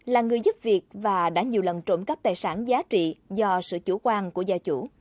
là người giúp việc và đã nhiều lần trộm cắp tài sản giá trị do sự chủ quan của gia chủ